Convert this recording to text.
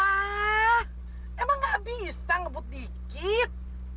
wah emang gak bisa ngebut dikit